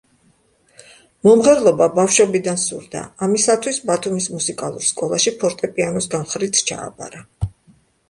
მომღერლობა ბავშვობიდან სურდა, ამისათვის ბათუმის მუსიკალურ სკოლაში ფორტეპიანოს განხრით ჩააბარა.